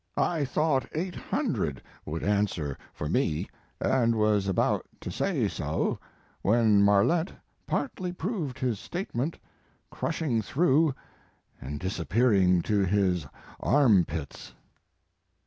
I thought Boo would answer for me, and was about to say so, when Marlette partly proved his statement, crushing through and disappearing to his arm pits.